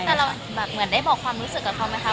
แต่เราแบบเหมือนได้บอกความรู้สึกกับเขาไหมคะ